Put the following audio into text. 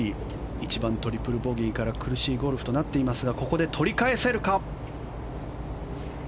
１番、トリプルボギーから苦しいゴルフになっていますがここで取り返せるか。